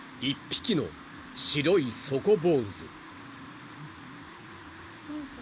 ［１匹の白いソコボウズ］